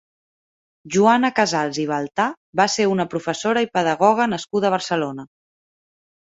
Joana Casals i Baltà va ser una professora i pedagoga nascuda a Barcelona.